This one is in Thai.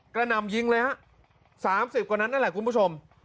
หนำยิงเลยฮะ๓๐กว่านั้นนั่นแหละคุณผู้ชม